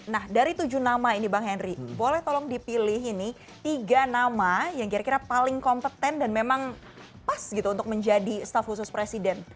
nah dari tujuh nama ini bang henry boleh tolong dipilih ini tiga nama yang kira kira paling kompeten dan memang pas gitu untuk menjadi staff khusus presiden